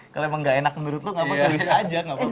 kalo emang gak enak menurut lo ngomong tulis aja